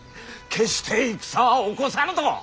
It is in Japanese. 決して戦は起こさぬと！